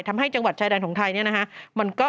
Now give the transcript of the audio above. ทำให้จังหวัดชายแดนของไทยเนี่ยนะฮะ